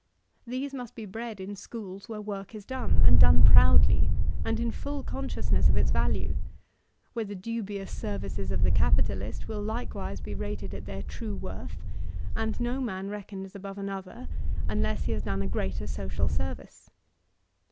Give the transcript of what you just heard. These must be bred in schools where work b done, and done proudly, and in full consciousness of its value; where the dubions services of the capitalist will Ukewise be rated at their true worth; and no man reckoned as above another, unless he has done a greater social service.